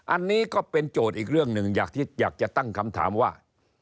อันนี้ก็เป็นโจทย์อีกเรื่องหนึ่งอยากจะตั้งคำถามว่า